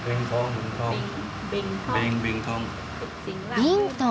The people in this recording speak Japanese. ビントン。